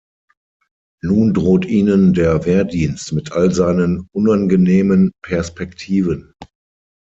Nun droht ihnen der Wehrdienst mit all seinen unangenehmen Perspektiven.